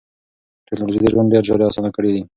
ټکنالوژي د ژوند ډېری چارې اسانه کړې دي.